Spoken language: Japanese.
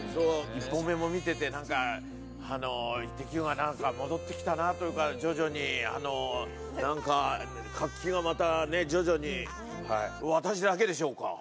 １本目も見ててなんか『イッテＱ！』が戻ってきたなというか徐々になんか活気がまたね徐々に。